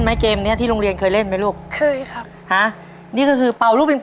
ไม่ไหวทำครับ